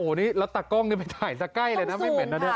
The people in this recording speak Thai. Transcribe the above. นี่แล้วตากล้องนี่ไปถ่ายตะใกล้เลยนะไม่เหม็นนะเนี่ย